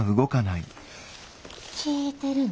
聞いてるの？